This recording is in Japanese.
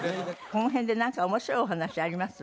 この辺でなんか面白いお話あります？